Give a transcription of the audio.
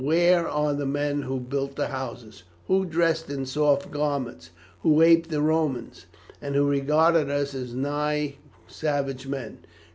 Where are the men who built the houses, who dressed in soft garments, who aped the Romans, and who regarded us as well nigh savage men?